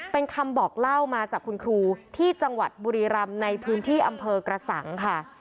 เป็นคำบอกเล่ามาจากคุณครูที่จังหวัดบุรีรำในพื้นที่อำเภอกระสังค่ะ